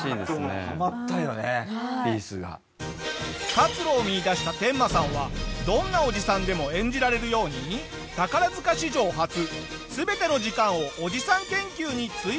活路を見いだしたテンマさんはどんなおじさんでも演じられるように宝塚史上初全ての時間をおじさん研究に費やすんだ！